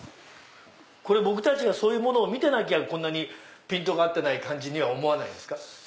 僕たちがそういうものを見てなきゃピントが合ってない感じには思わないんですか？